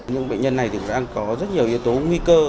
những bệnh nhân này thực ra có rất nhiều yếu tố nguy cơ